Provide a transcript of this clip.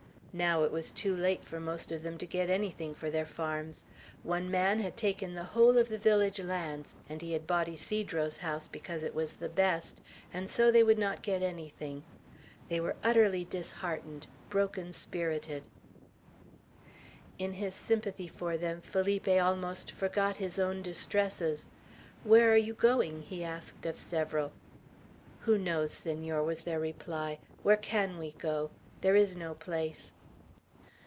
Now it was too late for most of them to get anything for their farms. One man had taken the whole of the village lands, and he had bought Ysidro's house because it was the best; and so they would not get anything. They were utterly disheartened, broken spirited. In his sympathy for them, Felipe almost forgot his own distresses. "Where are you going?" he asked of several. "Who knows, Senor?" was their reply. "Where can we go? There is no place."